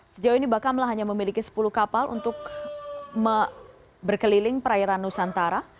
sejauh ini bakamla hanya memiliki sepuluh kapal untuk berkeliling perairan nusantara